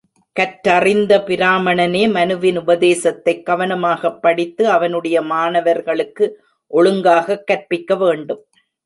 கற்றறிந்த பிராமணனே மனுவின் உபதேசத்தைக் கவனமாகப் படித்து அவனுடைய மாணவர்களுக்கு ஒழுங்காகக் கற்பிக்க வேண்டும்.